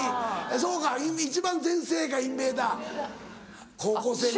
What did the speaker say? そうか一番全盛か『インベーダー』高校生ぐらい。